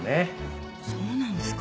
そうなんですか。